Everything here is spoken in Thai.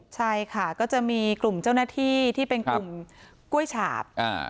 ใช่ค่ะก็จะมีกลุ่มเจ้าหน้าที่ที่เป็นกลุ่มกล้วยฉาบ